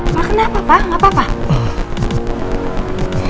pak kenapa pak nggak apa apa